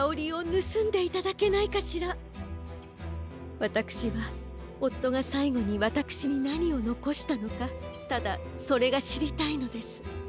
わたくしはおっとがさいごにわたくしになにをのこしたのかただそれがしりたいのです。